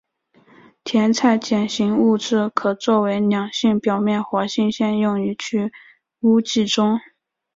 甜菜碱型物质可作为两性表面活性剂用于去污剂中。